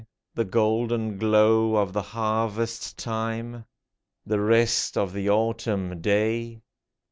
The golden glow of the harvest time ! The rest of the Autumn day